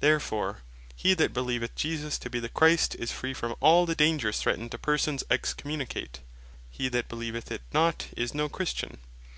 Therefore, he that beleeveth Jesus to be the Christ, is free from all the dangers threatned to persons Excommunicate. He that beleeveth it not, is no Christian.